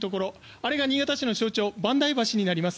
あれが新潟市の象徴萬代橋になります。